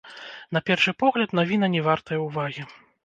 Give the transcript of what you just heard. На першы погляд, навіна не вартая ўвагі.